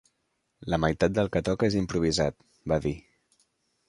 La meitat del que toca és improvisat, va dir.